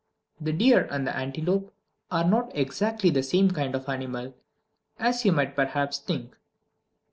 The deer and the antelope are not exactly the same kind of animal, as you might perhaps think.